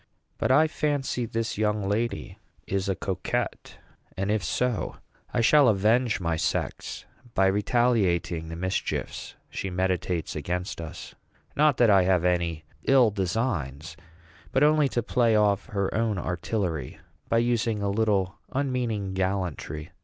But I fancy this young lady is a coquette; and if so, I shall avenge my sex by retaliating the mischiefs she meditates against us. Not that I have any ill designs, but only to play off her own artillery by using a little unmeaning gallantry.